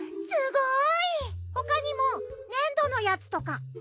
すごい。他にも粘土のやつとか。